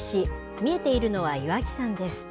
見えているのは岩木山です。